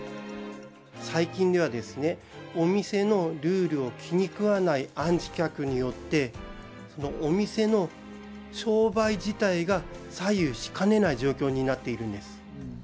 最近では、お店のルールを気に食わないアンチ客によって、お店の商売自体が左右しかねない状況になっているんです。